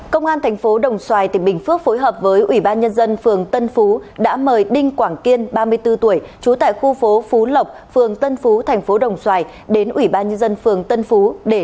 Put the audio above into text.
công an thành phố đồng xoài tỉnh bình phước phối hợp với ủy ban nhân dân phường tân phú đã mời đinh quảng kiên ba mươi bốn tuổi trú tại khu phố phú lộc phường tân phú thành phố đồng xoài đến ủy ban nhân dân phường tân phú